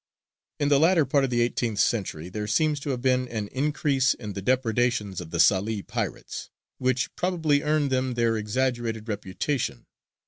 In the latter part of the eighteenth century there seems to have been an increase in the depredations of the Salē pirates, which probably earned them their exaggerated reputation.